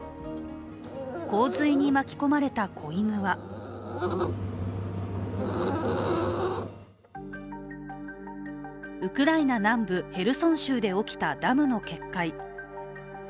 洪水に巻き込まれた子犬はウクライナ南部ヘルソン州で起きたダムの決壊。